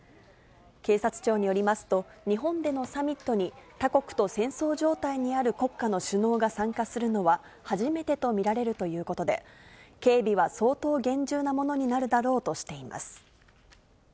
警察庁によりますと、日本でのサミットに他国と戦争状態にある国家の首脳が参加するのは初めてと見られるということで、警備は相当厳重なものになるだろうとしています。